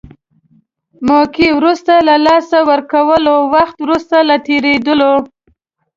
موقعه وروسته له لاسه ورکولو، وخت وروسته له تېرېدلو.